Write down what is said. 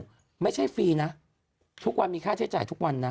มากไม่ใช่ฟรีทุกวันมีค่าใช้จ่าย